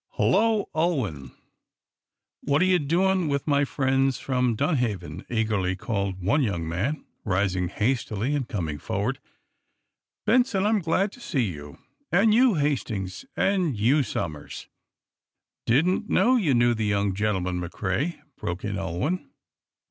"Hullo, Ulwin, what are you doing with my friends from Dunhaven?" eagerly called one young man, rising hastily and coming forward. "Benson, I'm glad to see you. And you, Hastings. And you, Somers." "Didn't know you knew the young gentlemen, McCrea," broke in Ulwin.